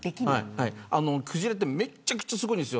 クジラってめちゃくちゃすごいんですよ。